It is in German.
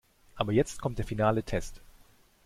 Aber jetzt kommt der finale Test.